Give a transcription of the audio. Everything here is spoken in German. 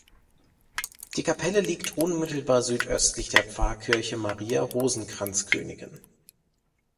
Die Kapelle liegt unmittelbar südöstlich der Pfarrkirche Maria Rosenkranzkönigin.